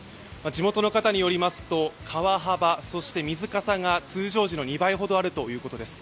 地元の方によりますと、川幅、水かさが通常時の２倍ほどあるということです。